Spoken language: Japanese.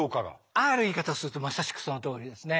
ある言い方するとまさしくそのとおりですね。